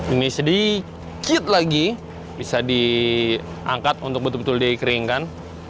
ini sedikit lagi bisa diangkat untuk betul betul dikeringkan